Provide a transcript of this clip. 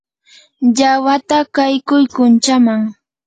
llamata qaykuy kunchaman.